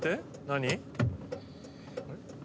何？